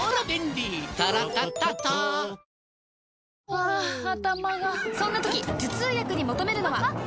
ハァ頭がそんな時頭痛薬に求めるのは？